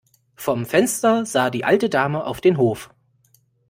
Vom Fenster sah die alte Dame auf den Hof.